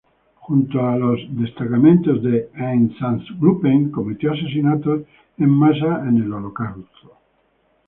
Junto a los destacamentos de "Einsatzgruppen", cometió asesinatos en masa en el Holocausto.